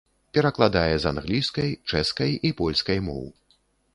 Перакладае з англійскай, чэшскай і польскай моў.